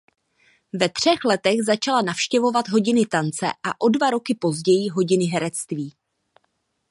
Ve třech letech začala navštěvovat hodiny tance a o dva roky později hodiny herectví.